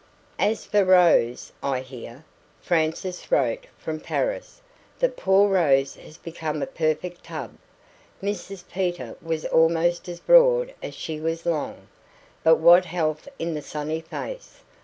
As for Rose "I hear," Frances wrote from Paris, "that poor Rose has become a perfect tub." Mrs Peter was almost as broad as she was long. But what health in the sunny face!